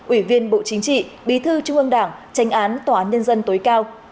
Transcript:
ủy viên bộ chính trị bí thư trung ương đảng tranh án tòa án nhân dân tối cao